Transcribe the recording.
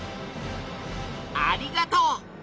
ありがとう！